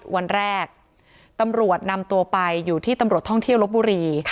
วันแรกตำรวจนำตัวไปอยู่ที่ตำรวจท่องเที่ยวลบบุรี